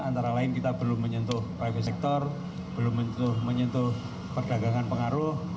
antara lain kita belum menyentuh private sector belum menyentuh perdagangan pengaruh